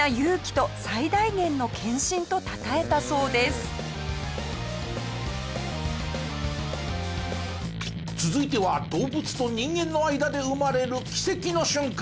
列車が通過するまで続いては動物と人間の間で生まれる奇跡の瞬間。